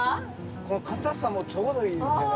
この硬さもちょうどいいんですよね。